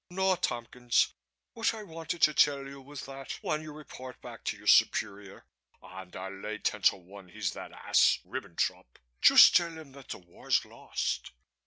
No, Tompkins, what I wanted to tell you was that when you report back to your superior and I'll lay ten to one he's that ass Ribbentrop just tell him that the war's lost.